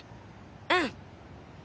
うん！